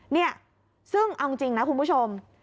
เนี่ยซึ่งเอาจริงนะคุณผู้ชม